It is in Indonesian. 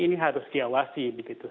ini harus diawasi begitu